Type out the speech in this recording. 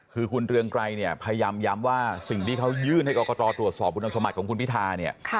คือคุณเรืองไกรเนี่ยพยายามย้ำว่าสิ่งที่เขายื่นให้กรกตตรวจสอบคุณสมบัติของคุณพิธาเนี่ย